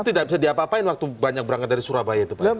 tidak bisa diapa apain waktu banyak berangkat dari surabaya itu pak